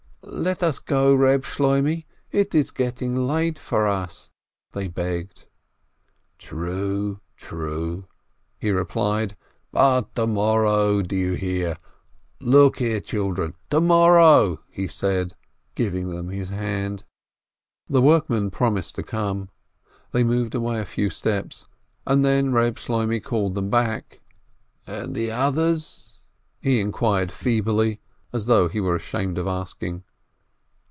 "Let us go, Reb Shloimeh. It's getting late for us/' they begged. "True, true," he replied, "but to morrow, do you hear ? Look here, children, to morrow !" he said, giving them his hand. The workmen promised to come. They moved away a few steps, and then Reb Shloimeh called them back. "And the others?" he inquired feebly, as though he were ashamed of asking.